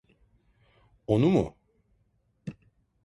Onu mu?